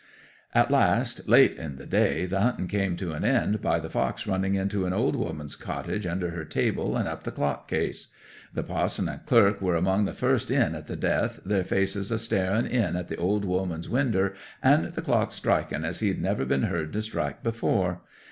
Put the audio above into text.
'At last, late in the day, the hunting came to an end by the fox running into a' old woman's cottage, under her table, and up the clock case. The pa'son and clerk were among the first in at the death, their faces a staring in at the old woman's winder, and the clock striking as he'd never been heard to strik' before.